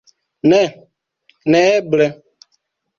Ne, neeble.